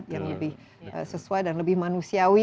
yang lebih sesuai dan lebih manusiawi